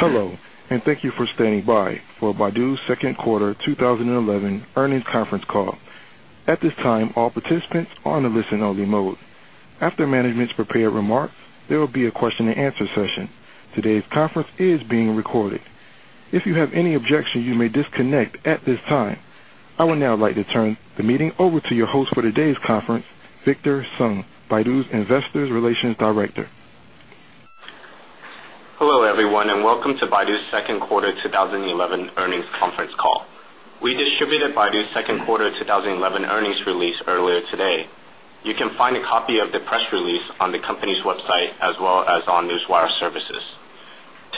Hello, and thank you for standing by for Baidu's Second Quarter 2011 Earnings Conference Call. At this time, all participants are on a listen-only mode. After management's prepared remarks, there will be a question-and-answer session. Today's conference is being recorded. If you have any objection, you may disconnect at this time. I would now like to turn the meeting over to your host for today's conference, Victor Tseng, Baidu's Investor Relations Director. Hello, everyone, and welcome to Baidu's Second Quarter 2011 Earnings Conference Call. We distributed Baidu's second quarter 2011 earnings release earlier today. You can find a copy of the press release on the company's website, as well as on Newswire Services.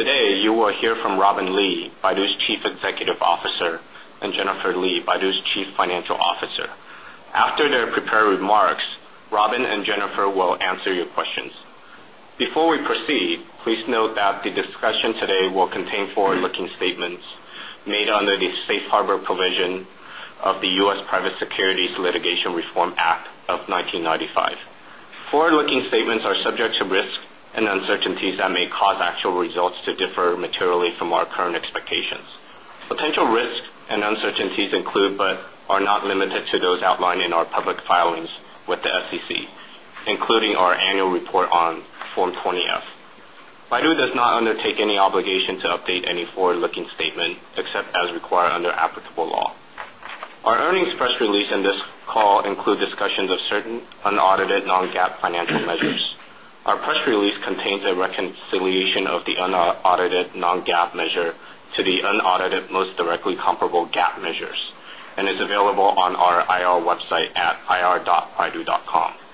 Today, you will hear from Robin Li, Baidu's Chief Executive Officer, and Jennifer Li, Baidu's Chief Financial Officer. After their prepared remarks, Robin and Jennifer will answer your questions. Before we proceed, please note that the discussion today will contain forward-looking statements made under the Safe Harbor provision of the U.S. Private Securities Litigation Reform Act of 1995. Forward-looking statements are subject to risks and uncertainties that may cause actual results to differ materially from our current expectations. Potential risks and uncertainties include, but are not limited to, those outlined in our public filings with the SEC, including our annual report on Form 20-F. Baidu does not undertake any obligation to update any forward-looking statement except as required under applicable law. Our earnings press release and this call include discussions of certain unaudited non-GAAP finance measures. Our press release contains a reconciliation of the unaudited non-GAAP measure to the unaudited most directly comparable GAAP measures and is available on our IR website at ir.baidu.com.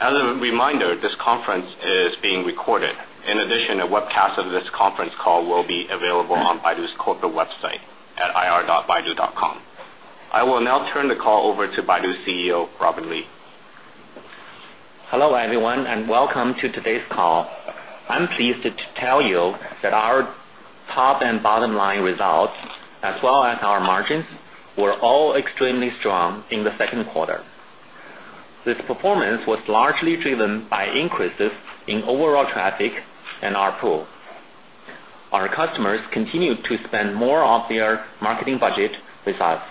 As a reminder, this conference is being recorded. In addition, a webcast of this conference call will be available on Baidu's corporate website at ir.baidu.com. I will now turn the call over to Baidu's CEO, Robin Li. Hello, everyone, and welcome to today's call. I'm pleased to tell you that our top and bottom-line results, as well as our margins, were all extremely strong in the second quarter. This performance was largely driven by increases in overall traffic and ARPU. Our customers continue to spend more of their marketing budget results.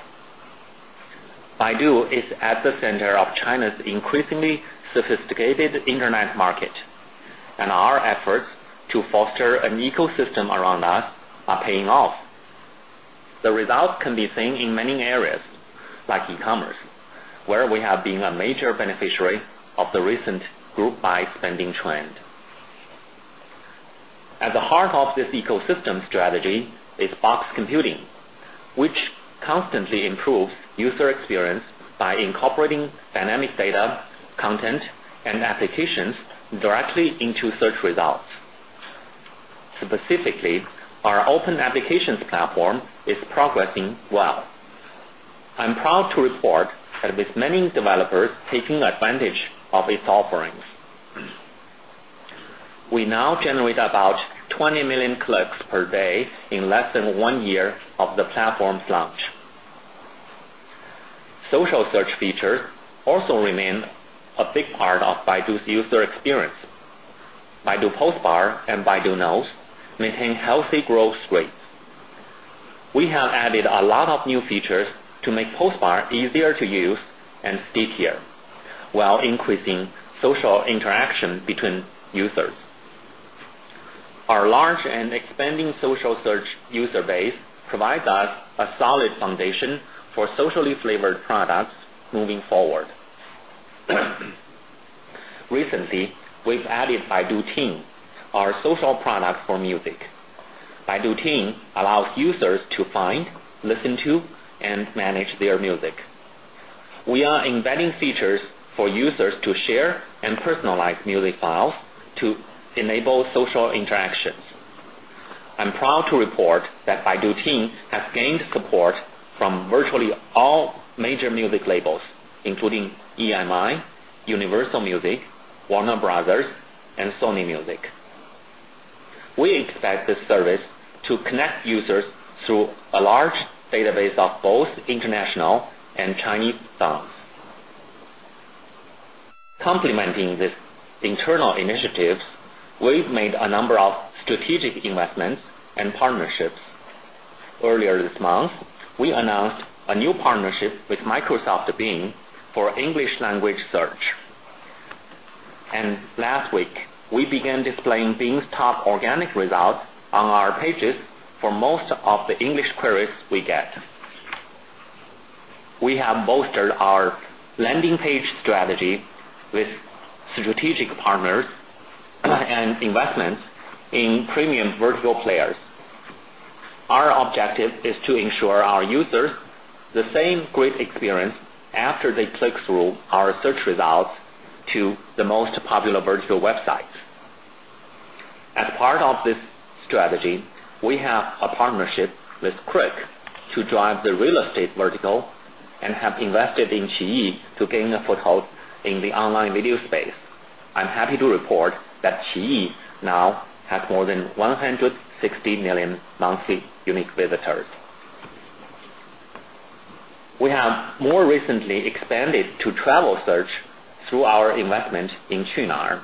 Baidu is at the center of China's increasingly sophisticated internet market, and our efforts to foster an ecosystem around that are paying off. The result can be seen in many areas, like e-commerce, where we have been a major beneficiary of the recent group buy spending trend. At the heart of this ecosystem strategy is Box Computing, which constantly improves user experience by incorporating dynamic data, content, and applications directly into search results. Specifically, our Open Applications platform is progressing well. I'm proud to report that with many developers taking advantage of its offerings, we now generate about 20 million clicks per day in less than one year of the platform's launch. Social search features also remain a big part of Baidu's user experience. Baidu Postbar and Baidu Notes maintain healthy growth rates. We have added a lot of new features to make Postbar easier to use and stickier, while increasing social interaction between users. Our large and expanding social search user base provides us a solid foundation for socially flavored products moving forward. Recently, we've added Baidu Ting, our social product for music. Baidu Ting allows users to find, listen to, and manage their music. We are embedding features for users to share and personalize music files to enable social interactions. I'm proud to report that Baidu Ting has gained support from virtually all major music labels, including EMI, Universal Music, Warner Brothers, and Sony Music. We expect this service to connect users through a large database of both international and Chinese songs. Complementing these internal initiatives, we've made a number of strategic investments and partnerships. Earlier this month, we announced a new partnership with Microsoft Bing for English language search. Last week, we began displaying Bing's top organic results on our pages for most of the English queries we get. We have bolstered our landing page strategy with strategic partners and investments in premium virtual players. Our objective is to ensure our users have the same great experience after they click through our search results to the most popular vertical websites. As part of this strategy, we have a partnership with CRIC to drive the real estate vertical and have invested in Qiyi to gain a foothold in the online video space. I'm happy to report that Qiyi now has more than 160 million monthly unique visitors. We have more recently expanded to travel search through our investment in Qunar.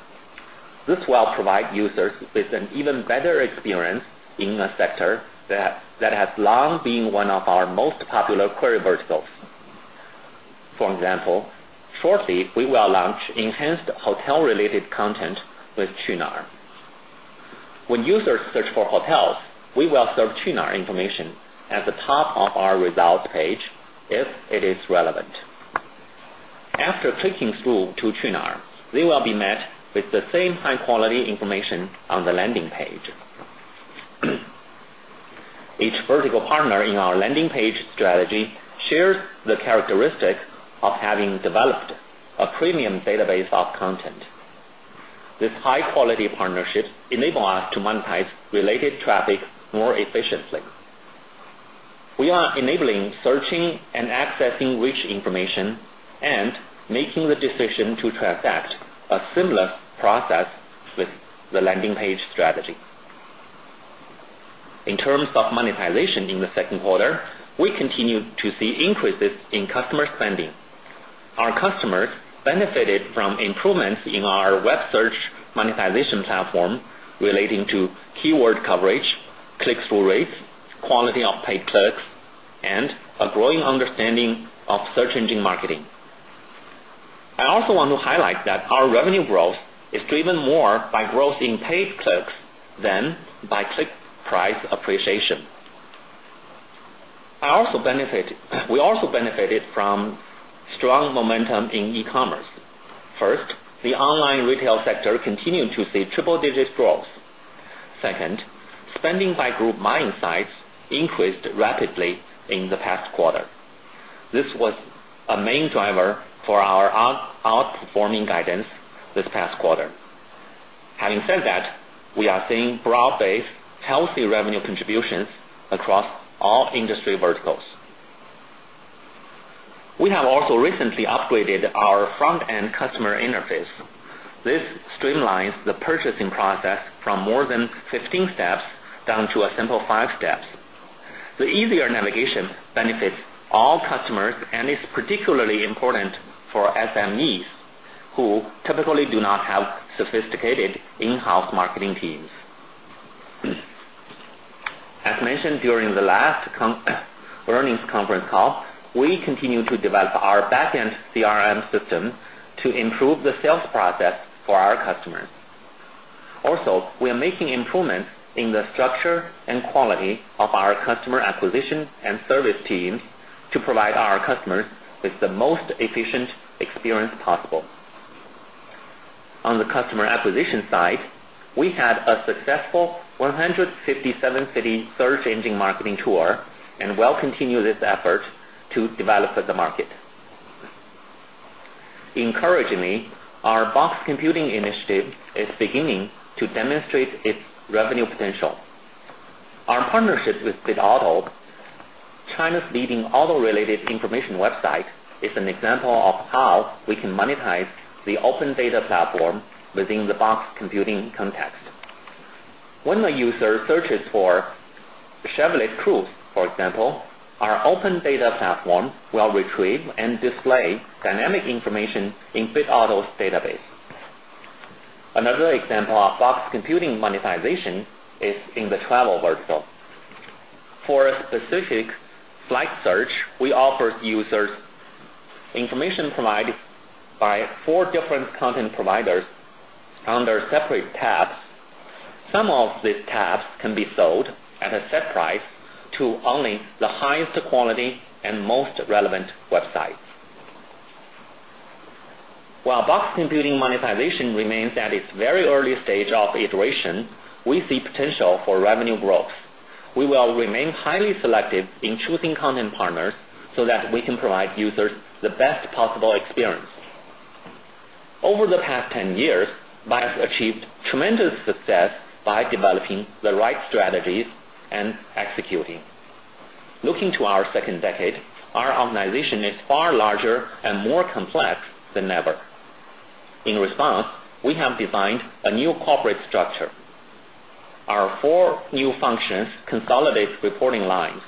This will provide users with an even better experience in a sector that has long been one of our most popular query verticals. For example, shortly, we will launch enhanced hotel-related content with Qunar. When users search for hotels, we will serve Qunar information at the top of our results page if it is relevant. After clicking through to Qunar, they will be met with the same high-quality information on the landing page. Each vertical partner in our landing page strategy shares the characteristic of having developed a premium database of content. This high-quality partnership enables us to monetize related traffic more efficiently. We are enabling searching and accessing rich information and making the decision to transact a seamless process with the landing page strategy. In terms of monetization in the second quarter, we continue to see increases in customer spending. Our customers benefited from improvements in our web search monetization platform relating to keyword coverage, click-through rates, quality of paid clicks, and a growing understanding of search engine marketing. I also want to highlight that our revenue growth is driven more by growth in paid clicks than by click price appreciation. We also benefited from strong momentum in e-commerce. First, the online retail sector continued to see triple-digit growth. Second, spending by group buying sites increased rapidly in the past quarter. This was a main driver for our outperforming guidance this past quarter. Having said that, we are seeing broad-based, healthy revenue contributions across all industry verticals. We have also recently upgraded our front-end customer interface. This streamlines the purchasing process from more than 15 steps down to a simple five steps. The easier navigation benefits all customers and is particularly important for SMEs who typically do not have sophisticated in-house marketing teams. As mentioned during the last earnings conference call, we continue to develop our backend CRM system to improve the sales process for our customers. Also, we are making improvements in the structure and quality of our customer acquisition and service teams to provide our customers with the most efficient experience possible. On the customer acquisition side, we had a successful 157-city search engine marketing tour and will continue this effort to develop the market. Encouragingly, our Box Computing initiative is beginning to demonstrate its revenue potential. Our partnership with BitAuto, China's leading auto-related information website, is an example of how we can monetize the open data platform within the Box Computing context. When a user searches for Chevrolet Cruze, for example, our open data platform will retrieve and display dynamic information in BitAuto's database. Another example of Box Computing monetization is in the travel vertical. For a specific flight search, we offer users information provided by four different content providers under separate tabs. Some of the tabs can be sold at a set price to only the highest quality and most relevant websites. While Box Computing monetization remains at its very early stage of iteration, we see potential for revenue growth. We will remain highly selective in choosing content partners so that we can provide users the best possible experience. Over the past 10 years, Baidu has achieved tremendous success by developing the right strategies and executing. Looking to our second decade, our organization is far larger and more complex than ever. In response, we have designed a new corporate structure. Our four new functions consolidate reporting lines.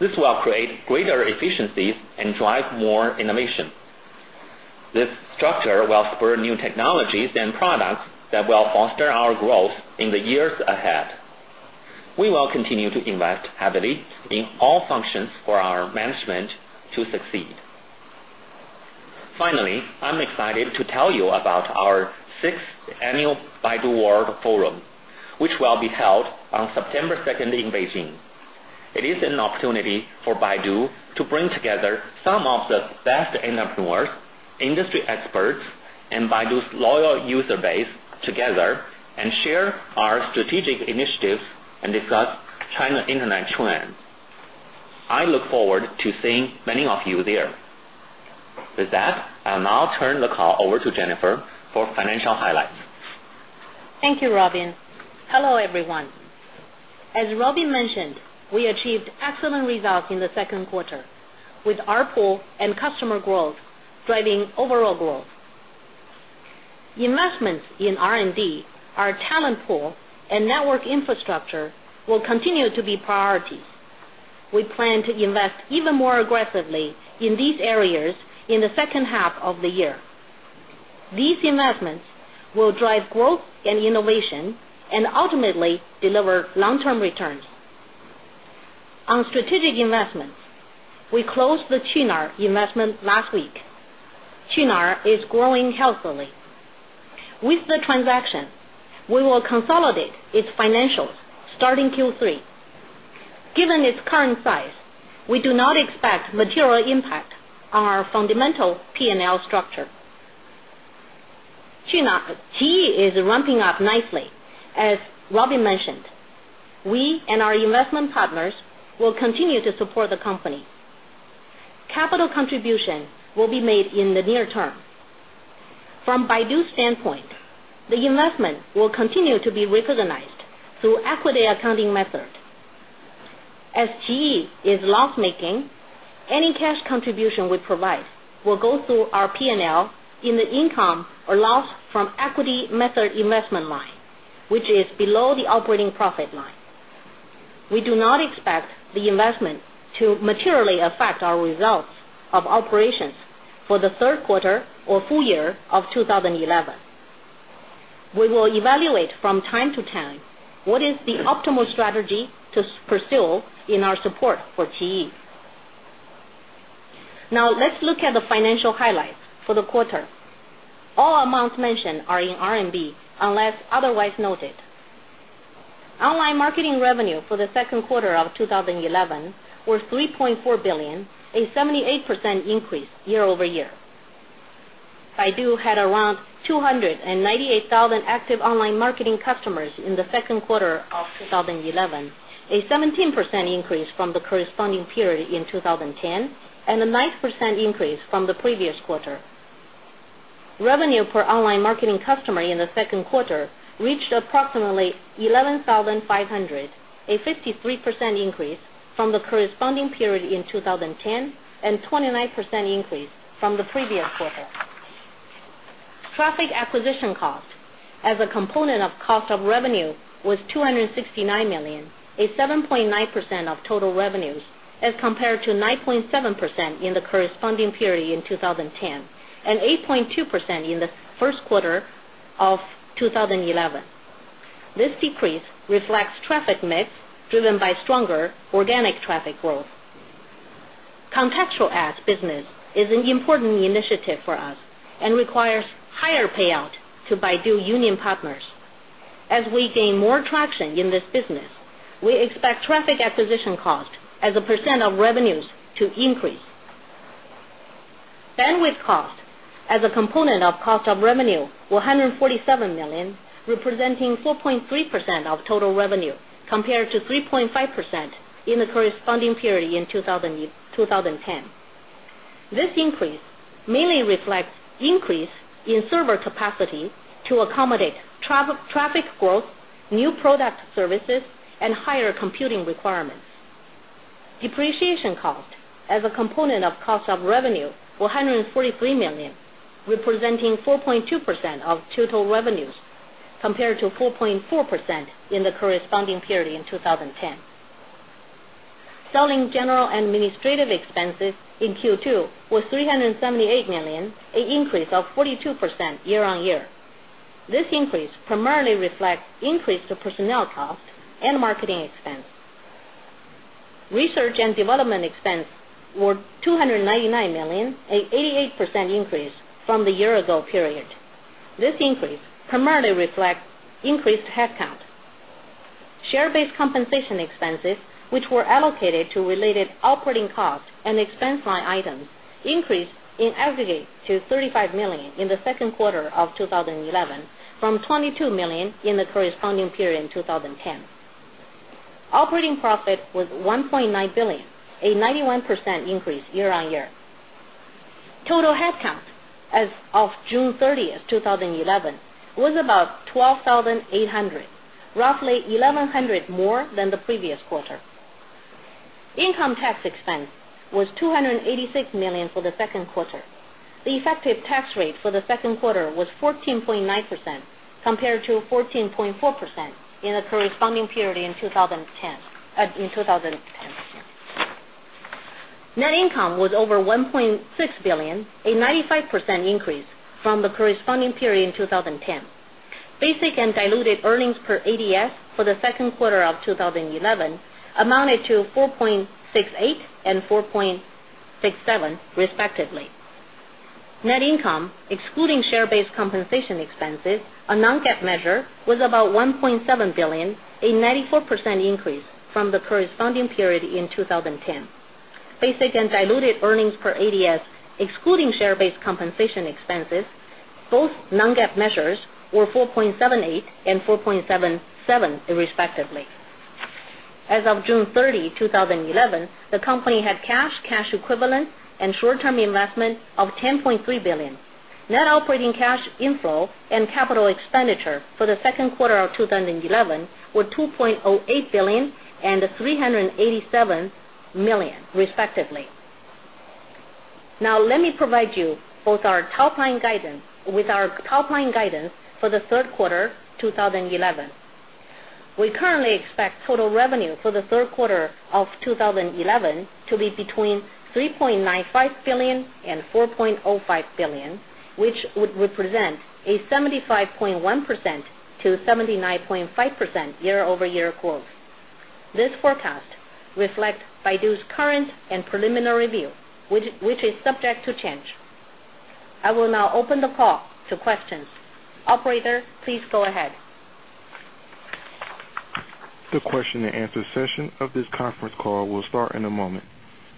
This will create greater efficiencies and drive more innovation. This structure will spur new technologies and products that will foster our growth in the years ahead. We will continue to invest heavily in all functions for our management to succeed. Finally, I'm excited to tell you about our sixth annual Baidu World Forum, which will be held on September 2nd in Beijing. It is an opportunity for Baidu to bring together some of the best entrepreneurs, industry experts, and Baidu's loyal user base together and share our strategic initiatives and discuss China's Internet trends. I look forward to seeing many of you there. With that, I'll now turn the call over to Jennifer for financial highlights. Thank you, Robin. Hello, everyone. As Robin mentioned, we achieved excellent results in the second quarter, with our pool and customer growth driving overall growth. Investments in R&D, our talent pool, and network infrastructure will continue to be priorities. We plan to invest even more aggressively in these areas in the second half of the year. These investments will drive growth and innovation and ultimately deliver long-term returns. On strategic investments, we closed the Qunar investment last week. Qunar is growing healthily. With the transaction, we will consolidate its financials starting Q3. Given its current size, we do not expect material impact on our fundamental P&L structure. Qiyi is ramping up nicely. As Robin mentioned, we and our investment partners will continue to support the company. Capital contribution will be made in the near term. From Baidu's standpoint, the investment will continue to be recognized through the equity accounting method. As Qiyi is loss-making, any cash contribution we provide will go through our P&L in the income or loss from equity method investment line, which is below the operating profit line. We do not expect the investment to materially affect our results of operations for the third quarter or full year of 2011. We will evaluate from time to time what is the optimal strategy to pursue in our support for Qiyi. Now, let's look at the financial highlights for the quarter. All amounts mentioned are in RMB unless otherwise noted. Online marketing revenue for the second quarter of 2011 was 3.4 billion, a 78% increase year-over-year. Baidu had around 298,000 active online marketing customers in the second quarter of 2011, a 17% increase from the corresponding period in 2010, and a 9% increase from the previous quarter. Revenue per online marketing customer in the second quarter reached approximately 11,500, a 53% increase from the corresponding period in 2010, and a 29% increase from the previous quarter. Traffic acquisition cost, as a component of cost of revenue, was 269 million, or 7.9% of total revenues as compared to 9.7% in the corresponding period in 2010, and 8.2% in the first quarter of 2011. This decrease reflects traffic mix driven by stronger organic traffic growth. Contextual ads business is an important initiative for us and requires higher payout to Baidu Union partners. As we gain more traction in this business, we expect traffic acquisition cost as a percent of revenues to increase. Bandwidth cost, as a component of cost of revenue, was 147 million, representing 4.3% of total revenue compared to 3.5% in the corresponding period in 2010. This increase mainly reflects an increase in server capacity to accommodate traffic growth, new product services, and higher computing requirements. Depreciation cost, as a component of cost of revenue, was $143 million, representing 4.2% of total revenue compared to 4.4% in the corresponding period in 2010. Selling general administrative expenses in Q2 were RMB 378 million, an increase of 42% year-on-year. This increase primarily reflects an increase to personnel cost and marketing expense. Research and development expense was 299 million, an 88% increase from the year-ago period. This increase primarily reflects increased headcount. Share-based compensation expenses, which were allocated to related operating costs and expense line items, increased in aggregate to 35 million in the second quarter of 2011, from 22 million in the corresponding period in 2010. Operating profit was 1.9 billion, a 91% increase year-on-year. Total headcount as of June 30th, 2011, was about 12,800, roughly 1,100 more than the previous quarter. Income tax expense was 286 million for the second quarter. The effective tax rate for the second quarter was 14.9% compared to 14.4% in the corresponding period in 2010. Net income was over 1.6 billion, a 95% increase from the corresponding period in 2010. Basic and diluted earnings per ADS for the second quarter of 2011 amounted to 4.68 and 4.67, respectively. Net income, excluding share-based compensation expenses, a non-GAAP measure, was about 1.7 billion, a 94% increase from the corresponding period in 2010. Basic and diluted earnings per ADS, excluding share-based compensation expenses, both non-GAAP measures, were 4.78 and 4.77, respectively. As of June 30, 2011, the company had cash, cash equivalents, and short-term investments of RMB 10.3 billion. Net operating cash inflow and capital expenditure for the second quarter of 2011 were 2.08 billion and 387 million, respectively. Now, let me provide you both our top-line guidance for the third quarter of 2011. We currently expect total revenue for the third quarter of 2011 to be between 3.95 billion and 4.05 billion, which would represent a 75.1%-79.5% year-over-year growth. This forecast reflects Baidu's current and preliminary view, which is subject to change. I will now open the call to questions. Operator, please go ahead. The question-and-answer session of this conference call will start in a moment.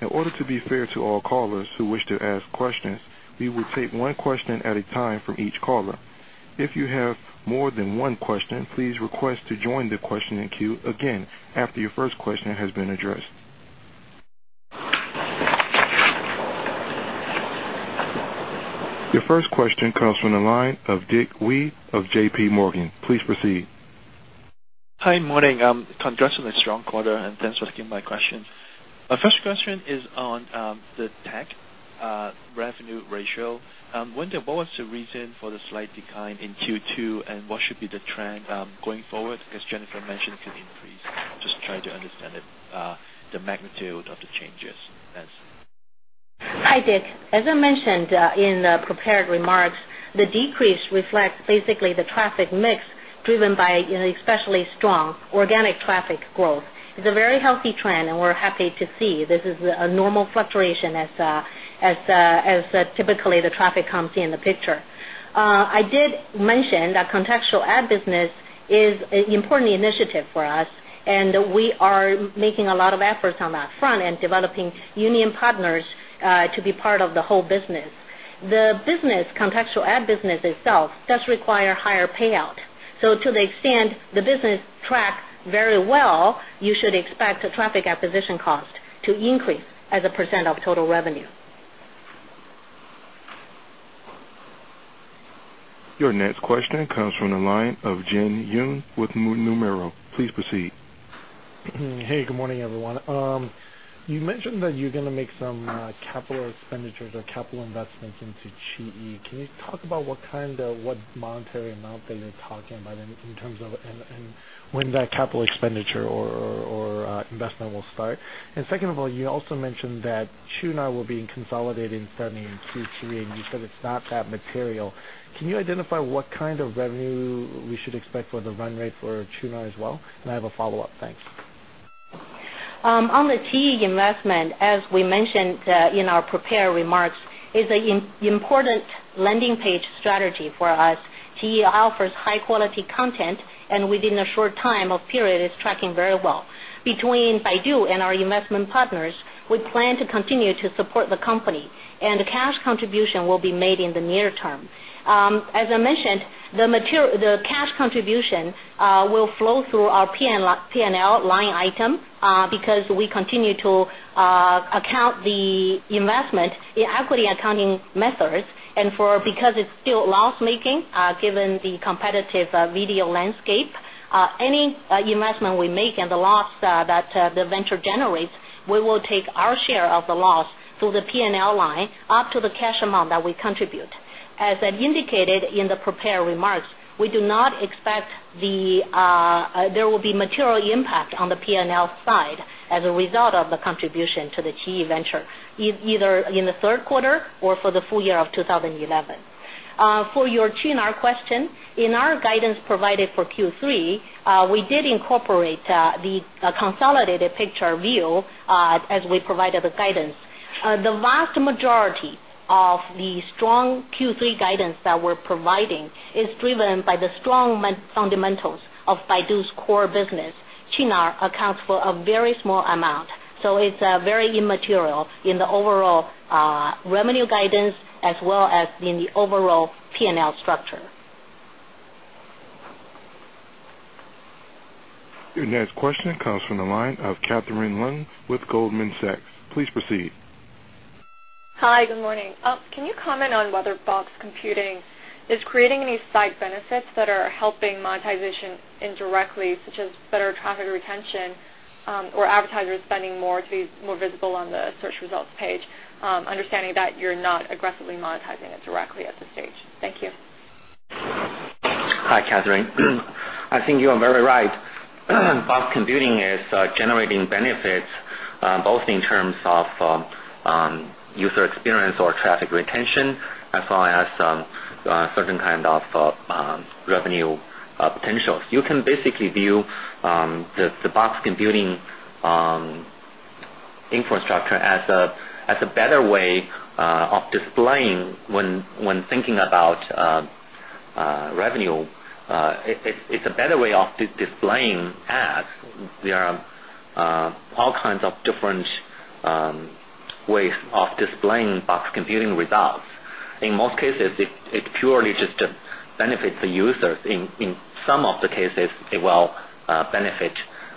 In order to be fair to all callers who wish to ask questions, we will take one question at a time from each caller. If you have more than one question, please request to join the questioning queue again after your first question has been addressed. Your first question comes from the line of Dick Wei of JPMorgan. Please proceed. Hi, good morning. Congrats on the strong quarter, and thanks for taking my question. My first question is on the tech revenue ratio. What was the reason for the slight decline in Q2, and what should be the trend going forward? I guess Jennifer mentioned it could increase. Just trying to understand the magnitude of the changes. Thanks. Hi, Dick. As I mentioned in the prepared remarks, the decrease reflects basically the traffic mix driven by especially strong organic traffic growth. It's a very healthy trend, and we're happy to see this is a normal fluctuation as typically the traffic comes in the picture. I did mention that contextual ad business is an important initiative for us, and we are making a lot of efforts on that front and developing union partners to be part of the whole business. The contextual ad business itself does require higher payout. To the extent the business tracks very well, you should expect the traffic acquisition cost to increase as a percent of total revenue. Your next question comes from the line of Jin Yoon with Nomura. Please proceed. Hey, good morning, everyone. You mentioned that you're going to make some capital expenditures or capital investments into Qiyi. Can you talk about what kind of monetary amount that you're talking about in terms of when that capital expenditure or investment will start? Second of all, you also mentioned that Qunar will be consolidating starting in Q3, and you said it's not that material. Can you identify what kind of revenue we should expect for the run rate for Qunar as well? I have a follow-up. Thanks. On the Qiyi investment, as we mentioned in our prepared remarks, it's an important landing page strategy for us. Qiyi offers high-quality content, and within a short period of time, it's tracking very well. Between Baidu and our investment partners, we plan to continue to support the company, and cash contribution will be made in the near term. As I mentioned, the cash contribution will flow through our P&L line item because we continue to account the investment in equity accounting methods. Because it's still loss-making, given the competitive video landscape, any investment we make and the loss that the venture generates, we will take our share of the loss through the P&L line up to the cash amount that we contribute. As I indicated in the prepared remarks, we do not expect there will be material impact on the P&L side as a result of the contribution to the Qiyi venture, either in the third quarter or for the full year of 2011. For your Qunar question, in our guidance provided for Q3, we did incorporate the consolidated picture view as we provided the guidance. The vast majority of the strong Q3 guidance that we're providing is driven by the strong fundamentals of Baidu's core business. Qunar accounts for a very small amount, so it's very immaterial in the overall revenue guidance as well as in the overall P&L structure. Your next question comes from the line of Catherine Leung with Goldman Sachs. Please proceed. Hi, good morning. Can you comment on whether Box Computing is creating any side benefits that are helping monetization indirectly, such as better traffic retention or advertisers spending more to be more visible on the search results page, understanding that you're not aggressively monetizing it directly at this stage? Thank you. Hi, Catherine. I think you are very right. Box Computing is generating benefits both in terms of user experience or traffic retention, as well as certain kinds of revenue potentials. You can basically view the Box Computing infrastructure as a better way of displaying when thinking about revenue. It's a better way of displaying ads. There are all kinds of different ways of displaying box computing results. In most cases, it purely just benefits the users. In some of the cases, it will benefit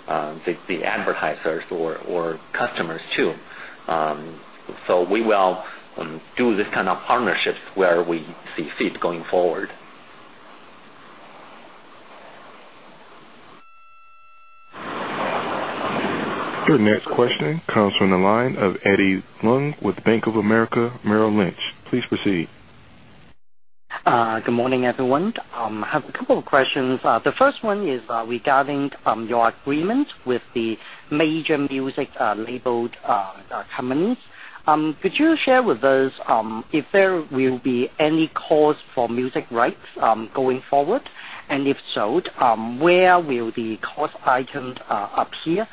the advertisers or customers, too. We will do this kind of partnerships where we see fit going forward. Your next question comes from the line of Eddie Leung with Bank of America Merrill Lynch. Please proceed. Good morning, everyone. I have a couple of questions. The first one is regarding your agreement with the major music label companies. Could you share with us if there will be any cost for music rights going forward? If so, where will the cost item appear?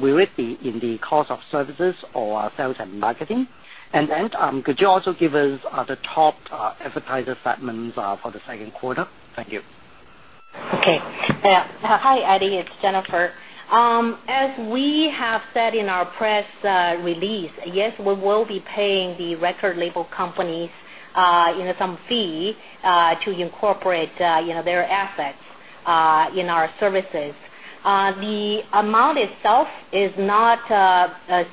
Will it be in the cost of services or sales and marketing? Could you also give us the top advertiser segments for the second quarter? Thank you. OK. Hi, Eddie. It's Jennifer. As we have said in our press release, yes, we will be paying the record label companies some fee to incorporate their assets in our services. The amount itself is not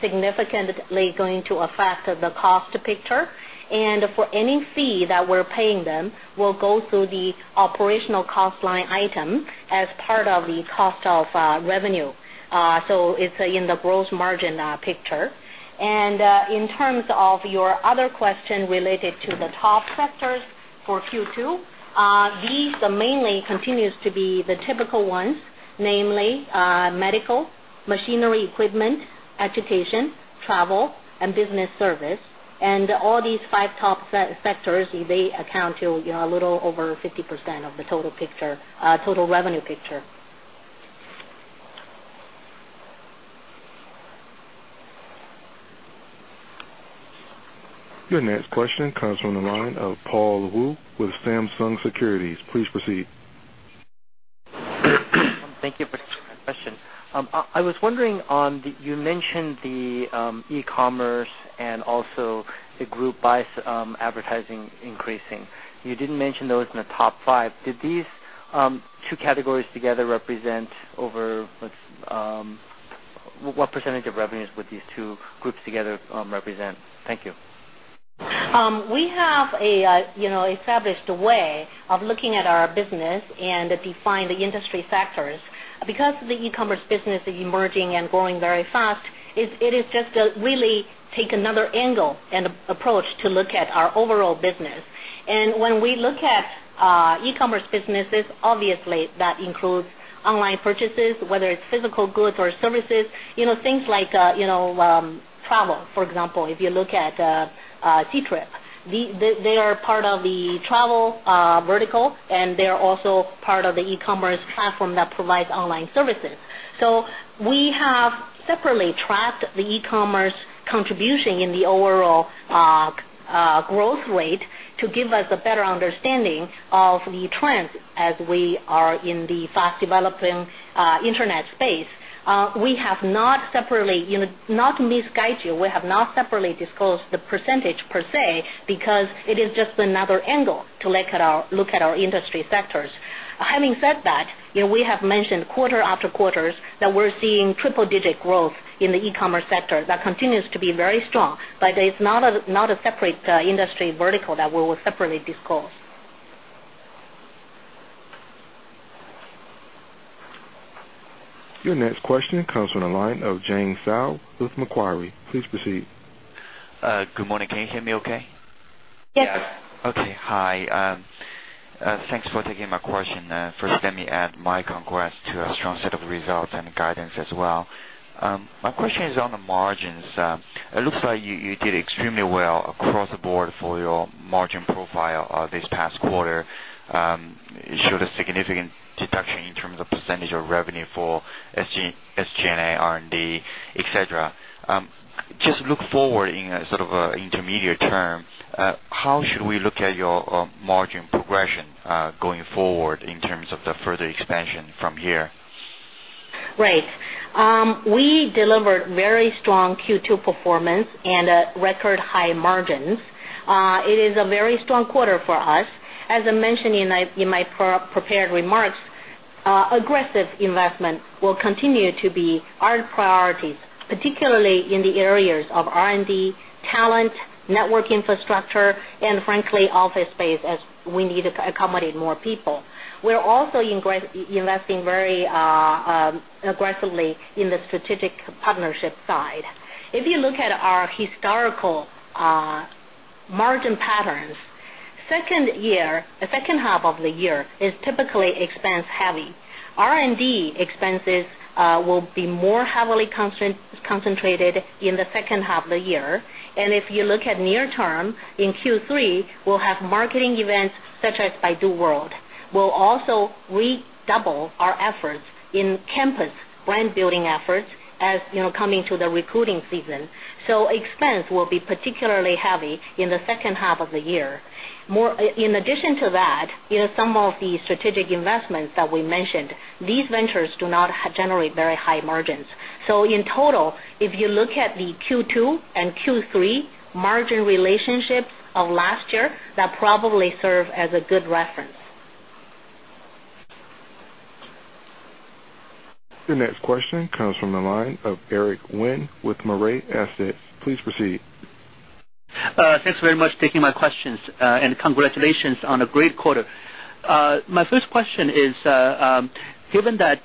significantly going to affect the cost picture. For any fee that we're paying them, we'll go through the operational cost line item as part of the cost of revenue. It's in the gross margin picture. In terms of your other question related to the top sectors for Q2, these mainly continue to be the typical ones, namely medical, machinery equipment, education, travel, and business service. All these five top sectors account to a little over 50% of the total picture, total revenue picture. Your next question comes from the line of Paul Wuh with Samsung Securities. Please proceed. Thank you for the question. I was wondering, you mentioned the e-commerce and also the group buy advertising increasing. You didn't mention those in the top five. Did these two categories together represent over what % of revenues would these two groups together represent? Thank you. We have established a way of looking at our business and define the industry sectors. Because the e-commerce business is emerging and growing very fast, it is just really taking another angle and approach to look at our overall business. When we look at e-commerce businesses, obviously, that includes online purchases, whether it's physical goods or services, things like travel, for example. If you look at Etrip, they are part of the travel vertical, and they are also part of the e-commerce platform that provides online services. We have separately tracked the e-commerce contribution in the overall growth rate to give us a better understanding of the trends as we are in the fast-developing internet space. We have not separately, not to misguide you, we have not separately disclosed the percentage per se because it is just another angle to look at our industry sectors. Having said that, we have mentioned quarter after quarter that we're seeing triple-digit growth in the e-commerce sector that continues to be very strong. It is not a separate industry vertical that we will separately disclose. Your next question comes from the line of Jiong Shao with Macquarie. Please proceed. Good morning. Can you hear me OK? Yes. OK. Hi. Thanks for taking my question. Let me add my congrats to a strong set of results and guidance as well. My question is on the margins. It looks like you did extremely well across the board for your margin profile this past quarter. It showed a significant detection in terms of percentage of revenue for SG&A, R&D, et cetera. Just look forward in sort of an intermediate term. How should we look at your margin progression going forward in terms of the further expansion from here? Right. We delivered very strong Q2 performance and record high margins. It is a very strong quarter for us. As I mentioned in my prepared remarks, aggressive investment will continue to be our priorities, particularly in the areas of R&D, talent, network infrastructure, and frankly, office space, as we need to accommodate more people. We're also investing very aggressively in the strategic partnership side. If you look at our historical margin patterns, the second half of the year is typically expense-heavy. R&D expenses will be more heavily concentrated in the second half of the year. If you look at near term, in Q3, we'll have marketing events such as Baidu World. We'll also redouble our efforts in campus brand-building efforts as we come into the recruiting season. Expense will be particularly heavy in the second half of the year. In addition to that, some of the strategic investments that we mentioned, these ventures do not generate very high margins. In total, if you look at the Q2 and Q3 margin relationships of last year, that probably serves as a good reference. Your next question comes from the line of Eric Wen with Mirae Asset. Please proceed. Thanks very much for taking my questions, and congratulations on a great quarter. My first question is, given that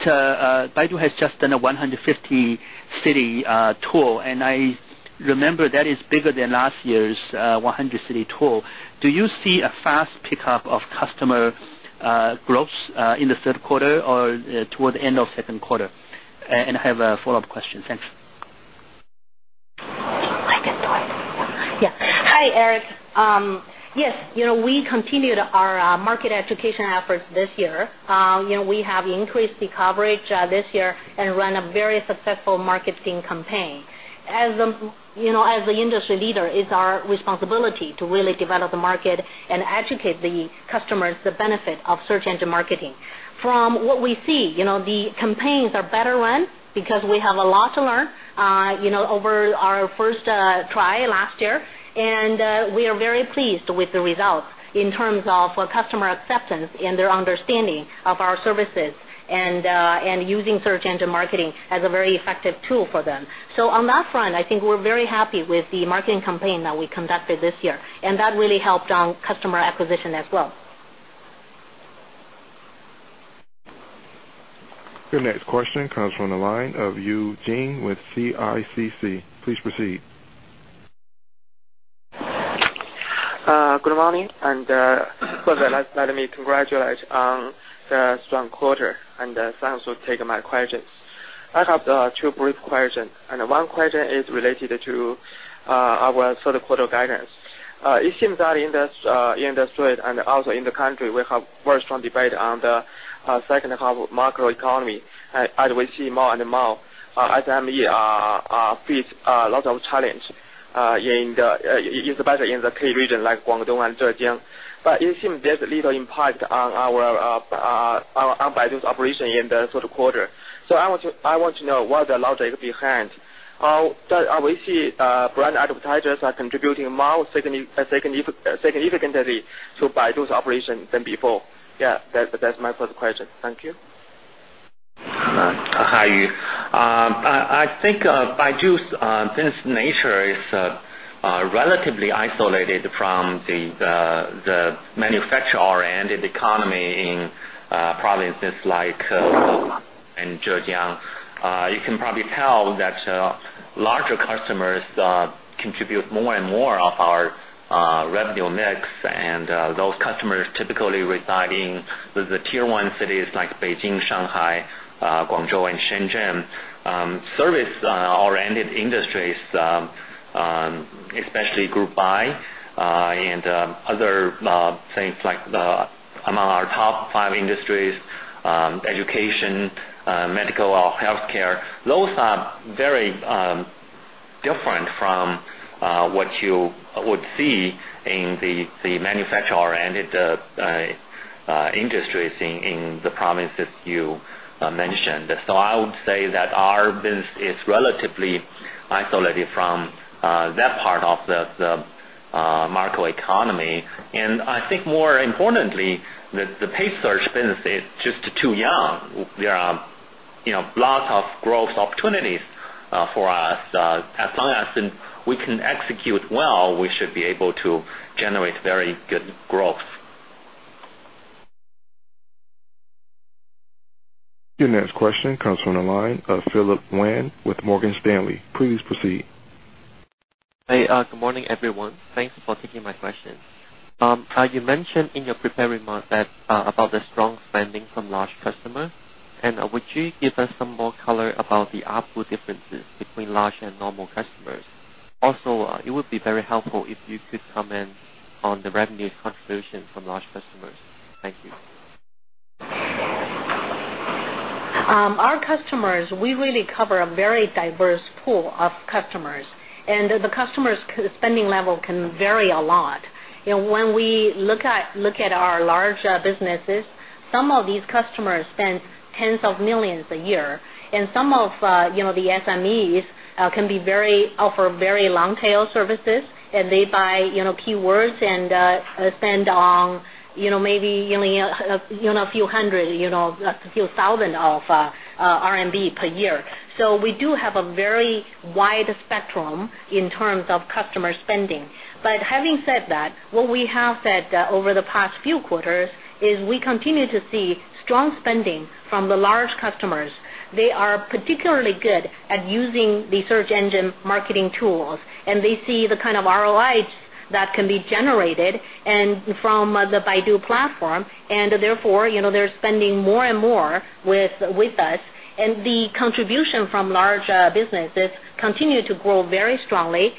Baidu has just done a 150-city tour, and I remember that is bigger than last year's 100-city tour, do you see a fast pickup of customer growth in the third quarter or toward the end of the second quarter? I have a follow-up question. Thanks. I can start. Hi, Eric. Yes, we continued our market education efforts this year. We have increased the coverage this year and run a very successful marketing campaign. As the industry leader, it's our responsibility to really develop the market and educate the customers on the benefit of search engine marketing. From what we see, the campaigns are better run because we have a lot to learn over our first try last year. We are very pleased with the results in terms of customer acceptance and their understanding of our services and using search engine marketing as a very effective tool for them. On that front, I think we're very happy with the marketing campaign that we conducted this year, and that really helped on customer acquisition as well. Your next question comes from the line of Yu Jin with CICC. Please proceed. Good morning. First of all, let me congratulate on the strong quarter, and thanks for taking my questions. I have two brief questions. One question is related to our third quarter guidance. It seems that in the industry and also in the country, we have a very strong debate on the second half of the macroeconomy. As we see more and more, SMEs face a lot of challenges, especially in the key regions, like Guangdong and Zhejiang. It seems there's little impact on Baidu's operation in the third quarter. I want to know what the logic behind that is. We see brand advertisers are contributing more significantly to Baidu's operation than before. That's my first question. Thank you. Hi, Yu. I think Baidu's business nature is relatively isolated from the manufacturer and the economy in provinces like Hangzhou and Zhejiang. You can probably tell that larger customers contribute more and more of our revenue mix. Those customers typically reside in the Tier 1 cities like Beijing, Shanghai, Guangzhou, and Shenzhen. Service-oriented industries, especially group buy and other things like among our top five industries, education, medical, or health care, are very different from what you would see in the manufacturer-oriented industries in the provinces you mentioned. I would say that our business is relatively isolated from that part of the macroeconomy. I think more importantly, the pay search benefit is just too young. There are lots of growth opportunities for us. As long as we can execute well, we should be able to generate very good growth. Your next question comes from the line of Philip Wan with Morgan Stanley. Please proceed. Hi. Good morning, everyone. Thanks for taking my question. You mentioned in your prepared remarks about the strong spending from large customers. Would you give us some more color about the output differences between large and normal customers? It would be very helpful if you could comment on the revenue contribution from large customers. Thank you. Our customers, we really cover a very diverse pool of customers. The customers' spending level can vary a lot. When we look at our large businesses, some of these customers spend tens of millions a year. Some of the SMEs can offer very long-tail services, and they buy keywords and spend maybe a few hundred, a few thousand of R&D per year. We do have a very wide spectrum in terms of customer spending. Having said that, what we have said over the past few quarters is we continue to see strong spending from the large customers. They are particularly good at using the search engine marketing tools, and they see the kind of ROI that can be generated from the Baidu platform. Therefore, they're spending more and more with us. The contribution from large businesses continues to grow very strongly.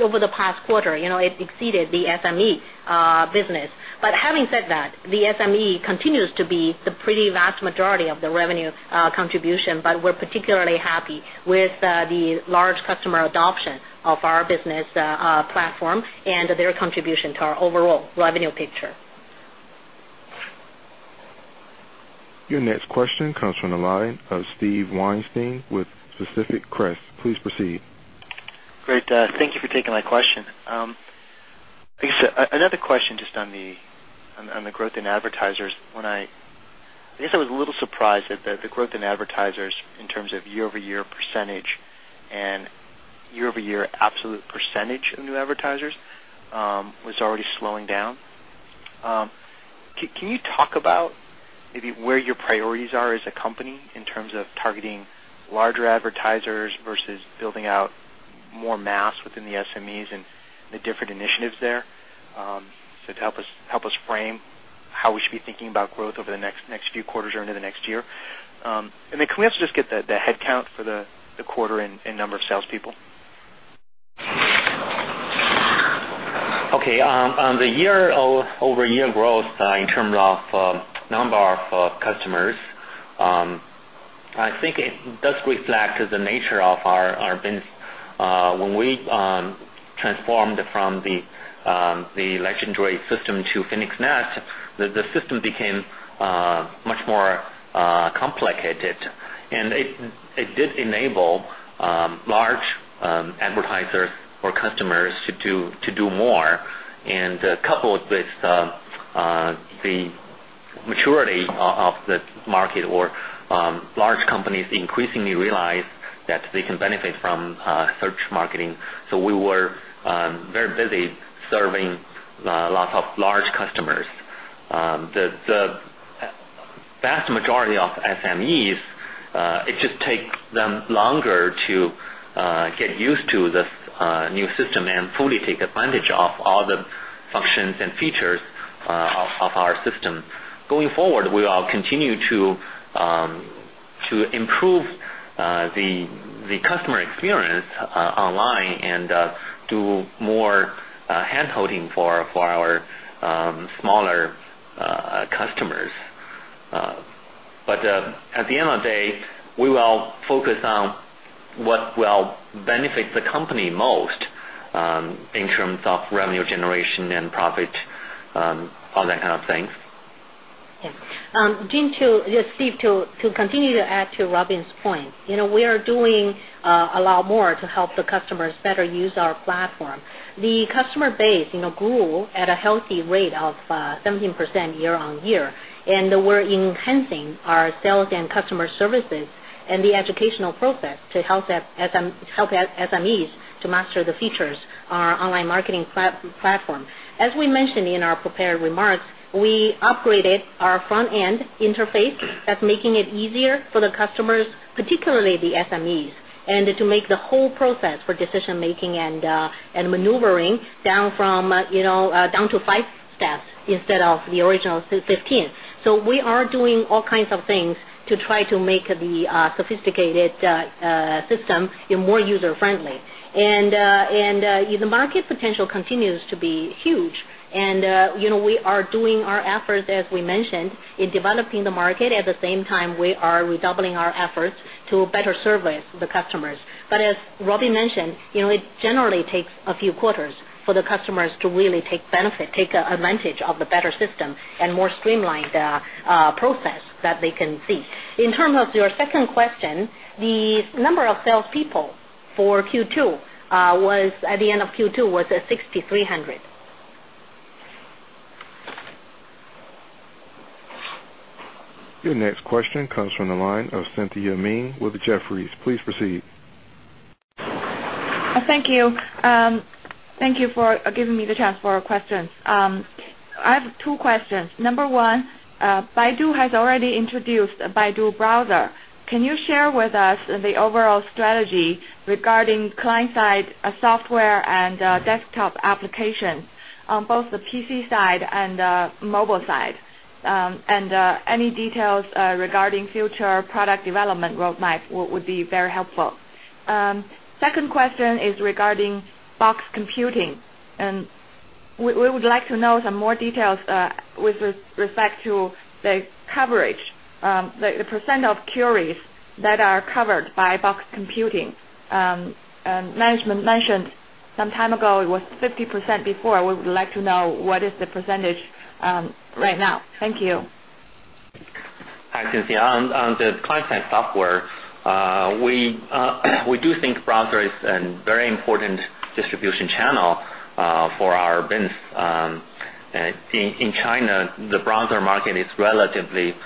Over the past quarter, it exceeded the SME business. Having said that, the SME continues to be the pretty vast majority of the revenue contribution. We're particularly happy with the large customer adoption of our business platform and their contribution to our overall revenue picture. Your next question comes from the line of Steve Weinstein with Pacific Crest. Please proceed. Great. Thank you for taking my question. I guess another question just on the growth in advertisers. I guess I was a little surprised that the growth in advertisers in terms of year-over-year percentage and year-over-year absolute percentage of new advertisers was already slowing down. Can you talk about maybe where your priorities are as a company in terms of targeting larger advertisers versus building out more mass within the SMEs and the different initiatives there? To help us frame how we should be thinking about growth over the next few quarters or into the next year. Can we also just get the headcount for the quarter in number of salespeople? OK. The year-over-year growth in terms of the number of customers, I think it does reflect the nature of our business. When we transformed from the legendary system to Phoenix Nest, the system became much more complicated. It did enable large advertisers or customers to do more. Coupled with the maturity of the market, large companies increasingly realize that they can benefit from search marketing. We were very busy serving lots of large customers. The vast majority of SMEs, it just takes them longer to get used to this new system and fully take advantage of all the functions and features of our system. Going forward, we will continue to improve the customer experience online and do more hand-holding for our smaller customers. At the end of the day, we will focus on what will benefit the company most in terms of revenue generation and profit, all that kind of things. Yeah. Steve, to continue to add to Robin's point, we are doing a lot more to help the customers better use our platform. The customer base grew at a healthy rate of 17% year-on-year. We're enhancing our sales and customer services and the educational process to help SMEs to master the features of our online marketing platform. As we mentioned in our prepared remarks, we upgraded our front-end interface, making it easier for the customers, particularly the SMEs, to make the whole process for decision-making and maneuvering down to five steps instead of the original 15. We are doing all kinds of things to try to make the sophisticated system more user-friendly. The market potential continues to be huge. We are doing our efforts, as we mentioned, in developing the market. At the same time, we are redoubling our efforts to better service the customers. As Robin mentioned, it generally takes a few quarters for the customers to really take benefit, take advantage of the better system and more streamlined process that they can see. In terms of your second question, the number of salespeople for Q2 was, at the end of Q2, 6,300. Your next question comes from the line of Cynthia Meng with Jefferies. Please proceed. Thank you. Thank you for giving me the chance for questions. I have two questions. Number one, Baidu has already introduced a Baidu browser. Can you share with us the overall strategy regarding client-side software and desktop applications on both the PC side and the mobile side? Any details regarding future product development roadmap would be very helpful. Second question is regarding Box computing. We would like to know some more details with respect to the coverage, the percentage of queries that are covered by box computing. Management mentioned some time ago it was 50% before. We would like to know what is the percentage right now. Thank you. Hi, Cynthia. On the client-side software, we do think browser is a very important distribution channel for our business. In China, the browser market is relatively fragmented.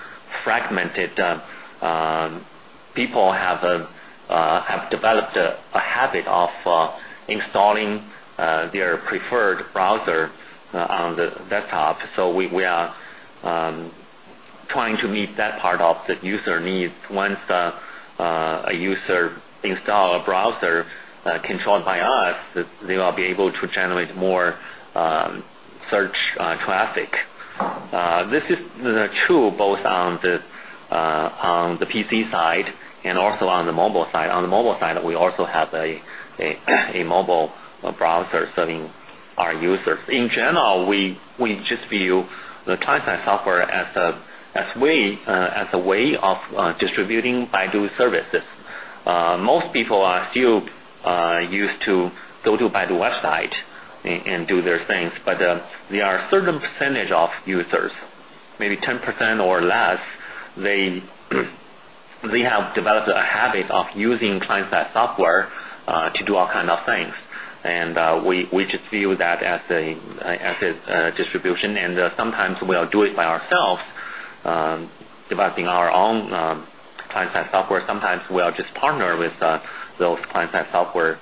People have developed a habit of installing their preferred browser on the desktop. We are trying to meet that part of the user needs. Once a user installs a browser controlled by us, they will be able to generate more search traffic. This is true both on the PC side and also on the mobile side. On the mobile side, we also have a mobile browser serving our users. In general, we just view the client-side software as a way of distributing Baidu services. Most people are still used to go to Baidu website and do their things. There are a certain percentage of users, maybe 10% or less, they have developed a habit of using client-side software to do all kinds of things. We just view that as a distribution. Sometimes we are doing it by ourselves, developing our own client-side software. Sometimes we'll just partner with those client-side software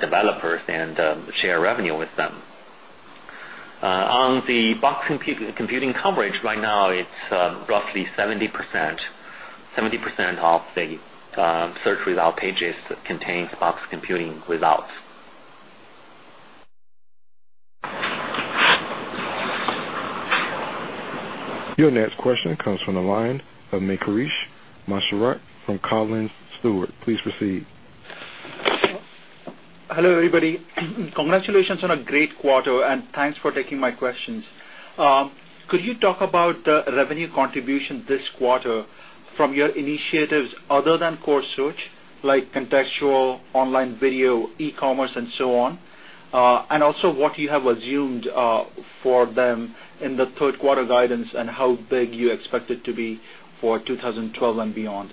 developers and share revenue with them. On the box computing coverage right now, it's roughly 70%. 70% of the search results pages contain Box Computing results. Your next question comes from the line of Mayuresh Masurekar from Collins Stewart. Please proceed. Hello, everybody. Congratulations on a great quarter, and thanks for taking my questions. Could you talk about the revenue contribution this quarter from your initiatives other than core search, like contextual online video, e-commerce, and so on, and also what you have assumed for them in the third quarter guidance and how big you expect it to be for 2012 and beyond?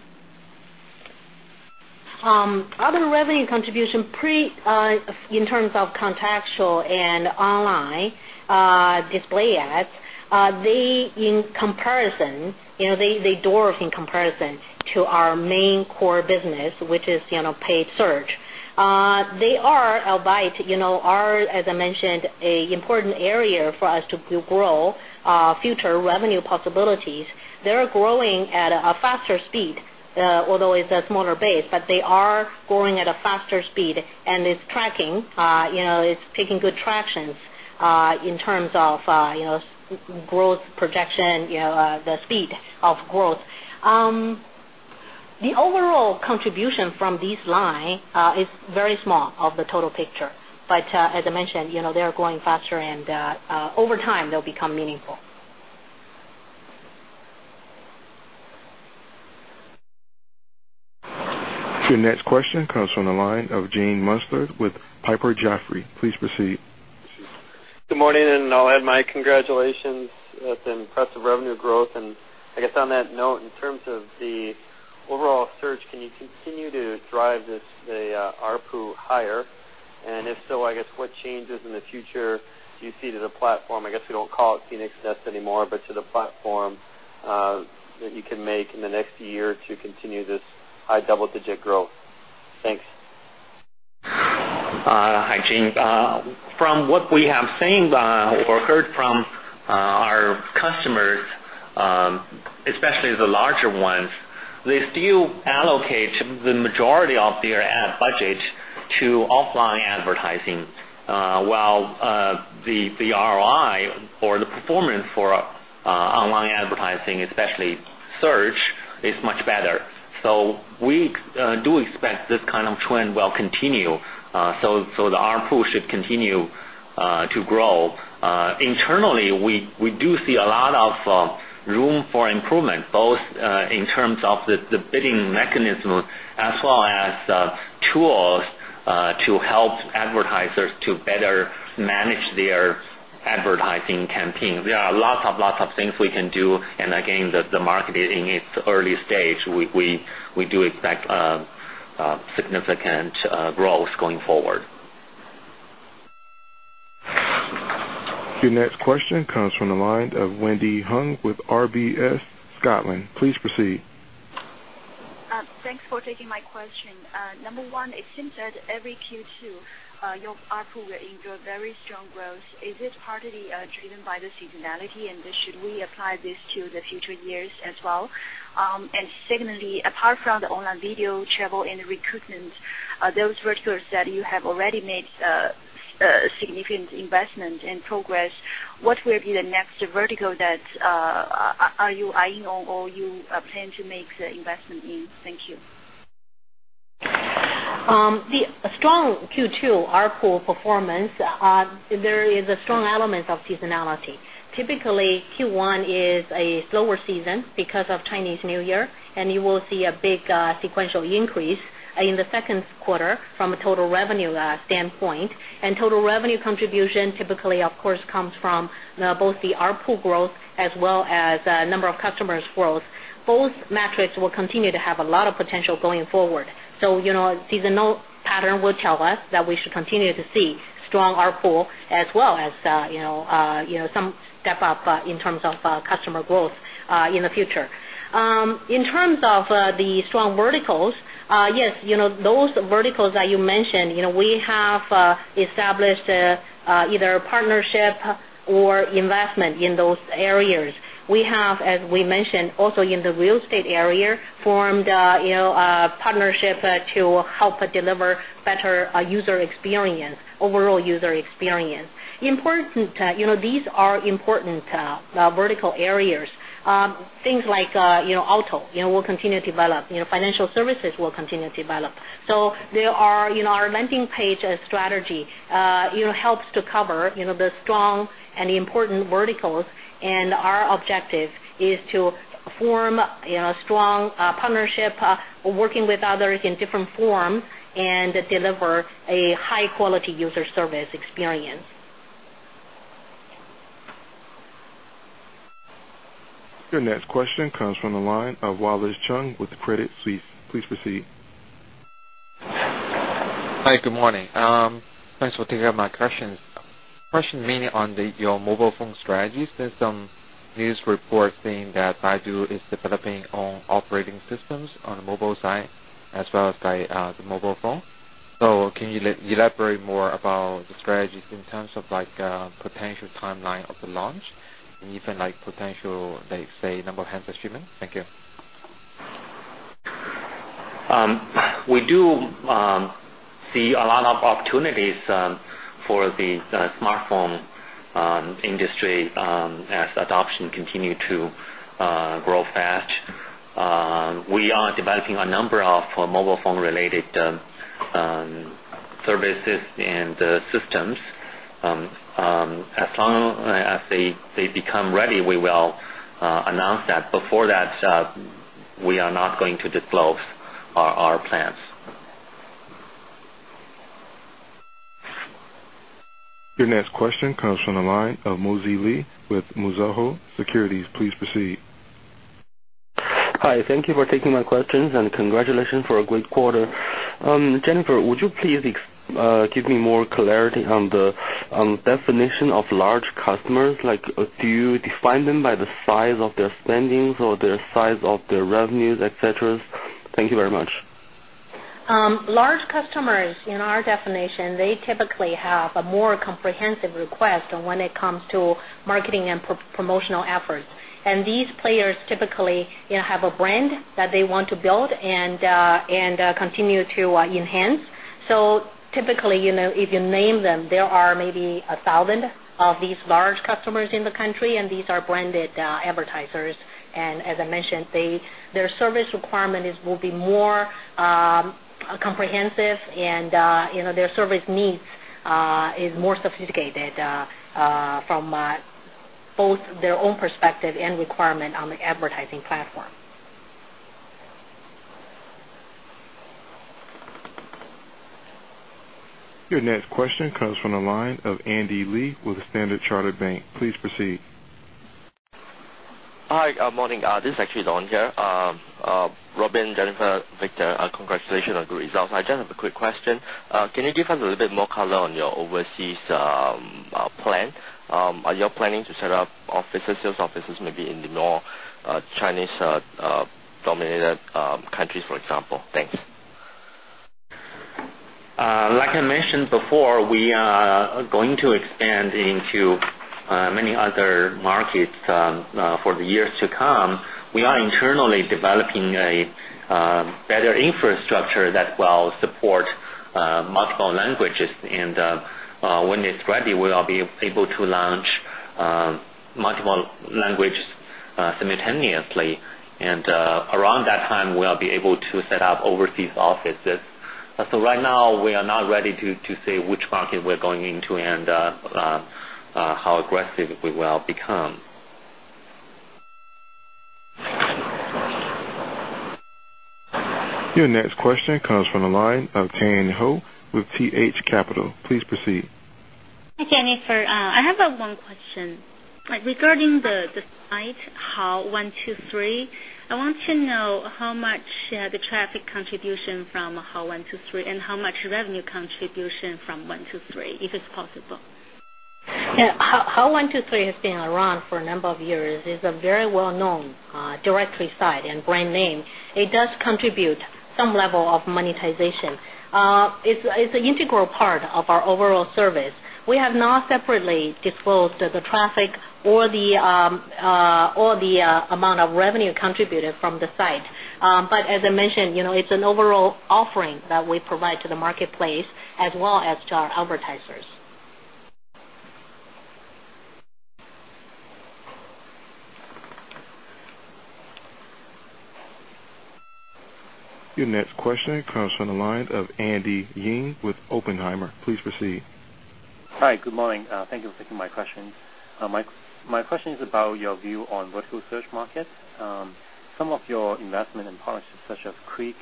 Other revenue contribution in terms of contextual and online display ads, they in comparison, they dwarf in comparison to our main core business, which is paid search. They are, as I mentioned, an important area for us to grow future revenue possibilities. They are growing at a faster speed, although it's a smaller base. They are growing at a faster speed, and it's tracking. It's taking good traction in terms of growth projection, the speed of growth. The overall contribution from this line is very small of the total picture. As I mentioned, they are growing faster, and over time, they'll become meaningful. Your next question comes from the line of Gene Munster with Piper Jaffray. Please proceed. Good morning. I'll add my congratulations at the impressive revenue growth. On that note, in terms of the overall search, can you continue to drive this ARPU higher? If so, what changes in the future do you see to the platform? I guess we don't call it Phoenix Nest anymore, but to the platform that you can make in the next year to continue this high double-digit growth. Thanks. Hi, Gene. From what we have seen or heard from our customers, especially the larger ones, they still allocate the majority of their ad budget to offline advertising, while the ROI or the performance for online advertising, especially search, is much better. We do expect this kind of trend will continue. The ARPU should continue to grow. Internally, we do see a lot of room for improvement, both in terms of the bidding mechanism as well as tools to help advertisers to better manage their advertising campaign. There are lots of things we can do. The market is in its early stage. We do expect significant growth going forward. Your next question comes from the line of Wendy Huang with RBS Scotland. Please proceed. Thanks for taking my question. Number one, it seems that every Q2, your ARPU will enjoy very strong growth. Is this partly driven by the seasonality, and should we apply this to the future years as well? Secondly, apart from the online video, travel, and recruitment, those verticals that you have already made significant investment and progress, what will be the next vertical that you are eyeing on or you plan to make the investment in? Thank you. The strong Q2 ARPU performance, there is a strong element of seasonality. Typically, Q1 is a slower season because of Chinese New Year, and you will see a big sequential increase in the second quarter from a total revenue standpoint. Total revenue contribution typically, of course, comes from both the ARPU growth as well as the number of customers' growth. Both metrics will continue to have a lot of potential going forward. The seasonal pattern will tell us that we should continue to see strong ARPU as well as some step up in terms of customer growth in the future. In terms of the strong verticals, yes, those verticals that you mentioned, we have established either partnership or investment in those areas. We have, as we mentioned, also in the real estate area formed a partnership to help deliver better user experience, overall user experience. These are important vertical areas. Things like auto will continue to develop. Financial services will continue to develop. Our landing page strategy helps to cover the strong and important verticals. Our objective is to form a strong partnership, working with others in different forms, and deliver a high-quality user service experience. Your next question comes from the line of Wallace Cheung with Credit Suisse. Please proceed. Hi, good morning. Thanks for taking my questions. Question mainly on your mobile phone strategy. There are some news reports saying that Baidu is developing on operating systems on the mobile side as well as the mobile phone. Can you elaborate more about the strategies in terms of potential timeline of the launch and even potential, say, number of hands of shipment? Thank you. We do see a lot of opportunities for the smartphone industry as adoption continues to grow fast. We are developing a number of mobile phone-related services and systems. As long as they become ready, we will announce that. Before that, we are not going to disclose our plans. Your next question comes from the line of Muzhi Li with Mizuho Securities. Please proceed. Hi. Thank you for taking my questions, and congratulations for a great quarter. Jennifer, would you please give me more clarity on the definition of large customers? Do you define them by the size of their spendings or the size of their revenues, et cetera? Thank you very much. Large customers, in our definition, typically have a more comprehensive request when it comes to marketing and promotional efforts. These players typically have a brand that they want to build and continue to enhance. If you name them, there are maybe 1,000 of these large customers in the country, and these are branded advertisers. As I mentioned, their service requirements will be more comprehensive, and their service needs are more sophisticated from both their own perspective and requirement on the advertising platform. Your next question comes from the line of Andy Lee with Standard Chartered Bank. Please proceed. Hi, good morning. This is actually Dong here. Robin, Jennifer, Victor, congratulations on good results. I just have a quick question. Can you give us a little bit more color on your overseas plan? Are you planning to set up offices, sales offices, maybe in the more Chinese-dominated countries, for example? Thanks. Like I mentioned before, we are going to expand into many other markets for the years to come. We are internally developing a better infrastructure that will support multiple languages. When it's ready, we will be able to launch multiple languages simultaneously. Around that time, we'll be able to set up overseas offices. Right now, we are not ready to say which market we're going into and how aggressive we will become. Your next question comes from the line of Tian Hou with TH Capital. Please proceed. Hi, Jennifer. I have one question. Regarding the site, Hao123, I want to know how much the traffic contribution from Hao123 is and how much revenue contribution from 123, if it's possible. Yeah. Hao123 has been around for a number of years. It's a very well-known directory site and brand name. It does contribute some level of monetization. It's an integral part of our overall service. We have not separately disclosed the traffic or the amount of revenue contributed from the site. As I mentioned, it's an overall offering that we provide to the marketplace as well as to our advertisers. Your next question comes from the line of Andy Yeung with Oppenheimer. Please proceed. Hi. Good morning. Thank you for taking my question. My question is about your view on vertical search markets. Some of your investment in partnerships, such as CRIC,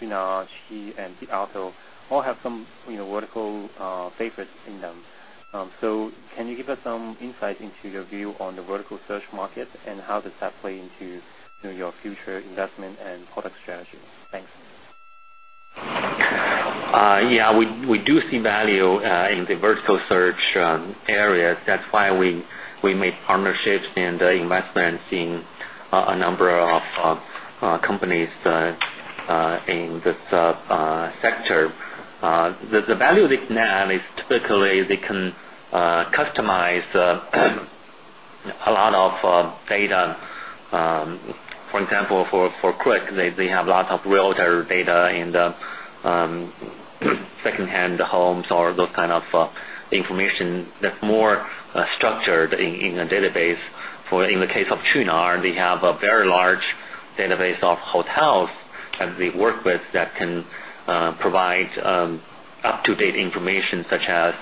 Qunar, Qiyi, and BitAuto, all have some vertical basis in them. Can you give us some insight into your view on the vertical search markets and how that plays into your future investment and product strategy? Thanks. Yeah, we do see value in the vertical search area. That's why we make partnerships and investments in a number of companies in this sector. The value they can add is typically they can customize a lot of data. For example, for CRIC, they have a lot of realtor data in the second-hand homes or those kinds of information that's more structured in a database. In the case of China, they have a very large database of hotels that they work with that can provide up-to-date information, such as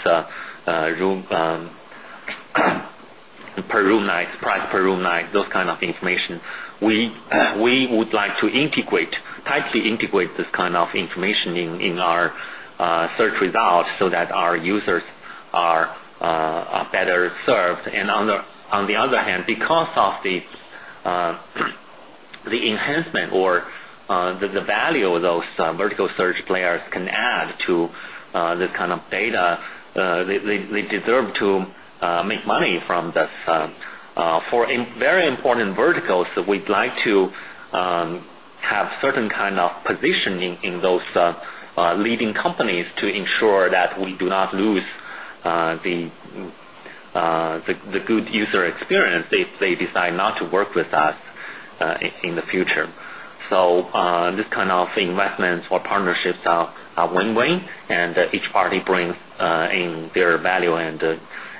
price per room night, those kinds of information. We would like to tightly integrate this kind of information in our search results so that our users are better served. On the other hand, because of the enhancement or the value those vertical search players can add to the kind of data, they deserve to make money from this. For very important verticals, we'd like to have a certain kind of positioning in those leading companies to ensure that we do not lose the good user experience if they decide not to work with us in the future. This kind of investments or partnerships are win-win, and each party brings in their value.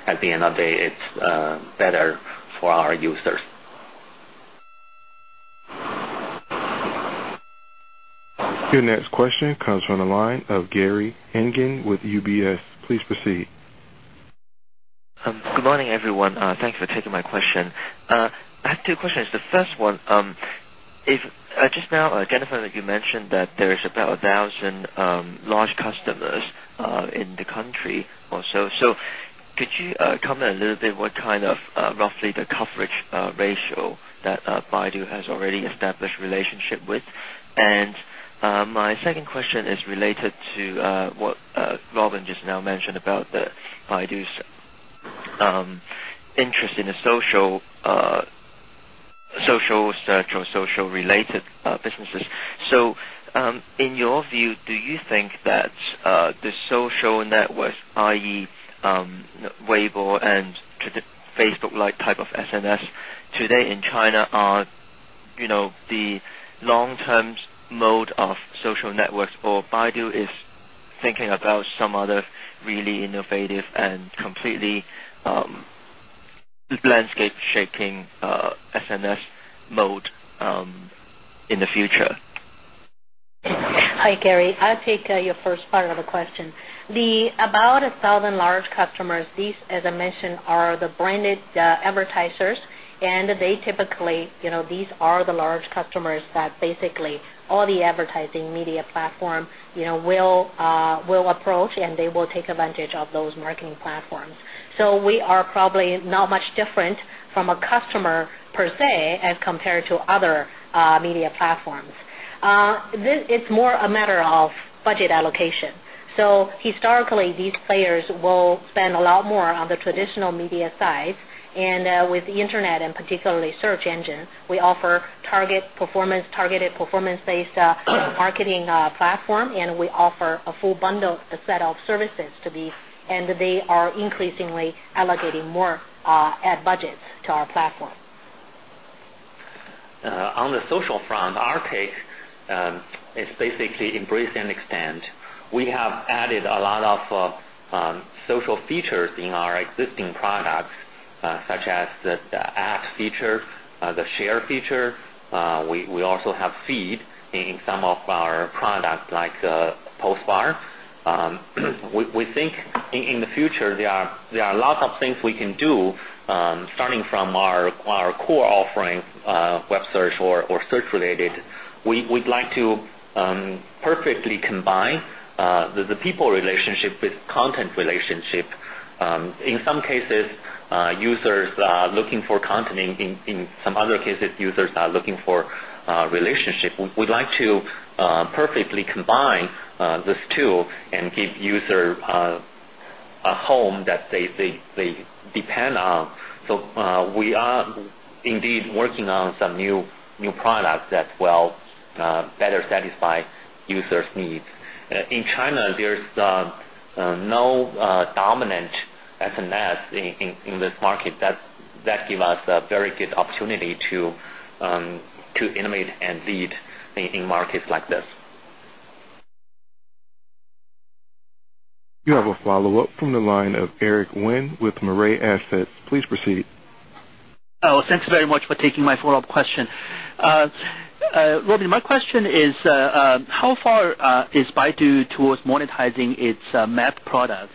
At the end of the day, it's better for our users. Your next question comes from the line of Gary Ngan with UBS. Please proceed. Good morning, everyone. Thanks for taking my question. I have two questions. The first one, just now, Jennifer, you mentioned that there is about 1,000 large customers in the country or so. Could you comment a little bit what kind of roughly the coverage ratio that Baidu has already established a relationship with? My second question is related to what Robin just now mentioned about Baidu's interest in the social search or social-related businesses. In your view, do you think that the social networks, i.e., Weibo and Facebook-like type of SNS today in China, are the long-term mode of social networks, or Baidu is thinking about some other really innovative and completely landscape-shaking SNS mode in the future? Hi, Gary. I'll take your first part of the question. The about 1,000 large customers, these, as I mentioned, are the branded advertisers. They typically, you know, these are the large customers that basically all the advertising media platforms will approach, and they will take advantage of those marketing platforms. We are probably not much different from a customer per se as compared to other media platforms. It's more a matter of budget allocation. Historically, these players will spend a lot more on the traditional media side. With the internet and particularly search engines, we offer targeted performance-based marketing platforms, and we offer a full bundled set of services to be. They are increasingly allocating more ad budgets to our platform. On the social front, our pick is basically embrace and expand. We have added a lot of social features in our existing products, such as the app feature, the share feature. We also have feed in some of our products, like Baidu Postbar. We think in the future, there are lots of things we can do, starting from our core offerings, web search or search-related. We'd like to perfectly combine the people relationship with content relationship. In some cases, users are looking for content. In some other cases, users are looking for relationships. We'd like to perfectly combine these two and give users a home that they depend on. We are indeed working on some new products that will better satisfy users' needs. In China, there's no dominant SNS in this market. That gives us a very good opportunity to innovate and lead in markets like this. You have a follow-up from the line of Eric Wen with Mirae Asset. Please proceed. Oh, thanks very much for taking my follow-up question. Robin, my question is, how far is Baidu towards monetizing its Map products?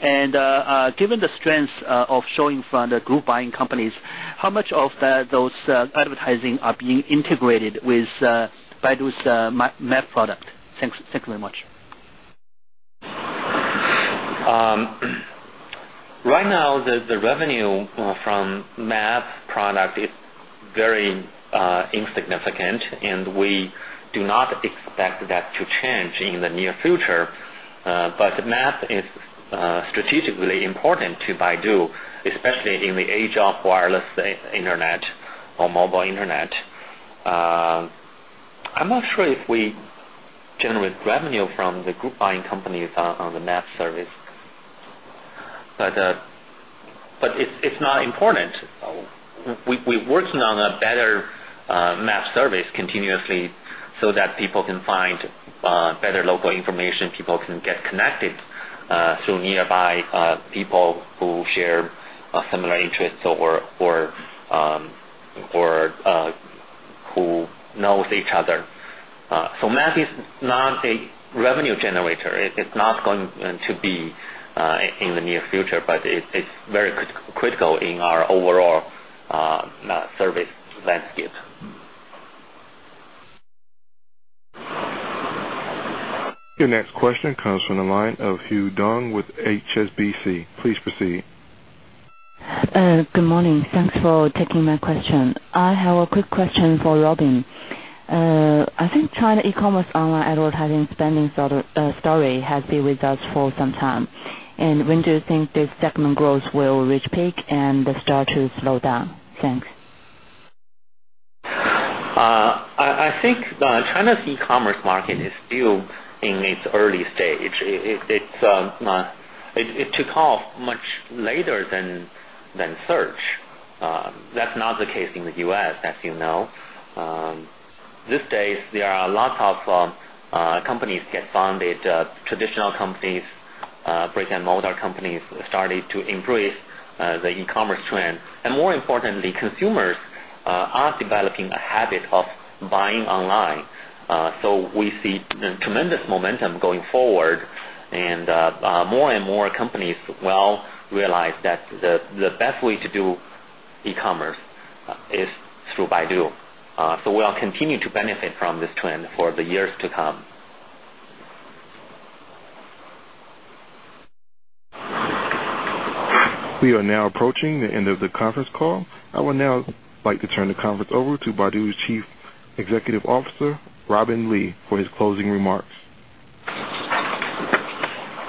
Given the strengths of showing from the group buying companies, how much of those advertising are being integrated with Baidu Maps? Thanks very much. Right now, the revenue from Map product is very insignificant, and we do not expect that to change in the near future. The Map is strategically important to Baidu, especially in the age of wireless internet or mobile internet. I'm not sure if we generate revenue from the group buying companies on the Map service. It's not important. We're working on a better Map service continuously so that people can find better local information, and people can get connected through nearby people who share similar interests or who know each other. Map is not a revenue generator. It's not going to be in the near future, but it's very critical in our overall Map service landscape. Your next question comes from the line of Hui Dong with HSBC. Please proceed. Good morning. Thanks for taking my question. I have a quick question for Robin. I think China e-commerce online advertising spending story has been with us for some time. When do you think this segment growth will reach peak and start to slow down? Thanks. I think China's e-commerce market is still in its early stage. It took off much later than search. That's not the case in the U.S., as you know. These days, there are lots of companies that founded traditional companies, brick and mortar companies, started to embrace the e-commerce trend. More importantly, consumers are developing a habit of buying online. We see tremendous momentum going forward. More and more companies will realize that the best way to do e-commerce is through Baidu. We will continue to benefit from this trend for the years to come. We are now approaching the end of the conference call. I would now like to turn the conference over to Baidu's Chief Executive Officer, Robin Li, for his closing remarks.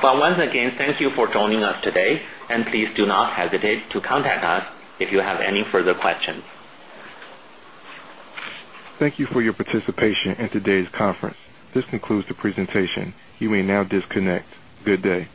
Thank you for joining us today. Please do not hesitate to contact us if you have any further questions. Thank you for your participation in today's conference. This concludes the presentation. You may now disconnect. Good day.